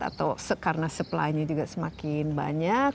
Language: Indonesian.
atau karena supply nya juga semakin banyak